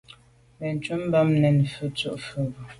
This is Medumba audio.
Benntùn bam, nèn dù’ fà’ sobe.